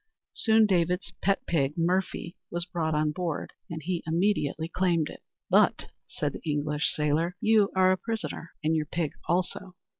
Soon David's pet pig "Murphy" was brought on board, and he immediately claimed it. "But," said the English sailor, "you are a prisoner and your pig also."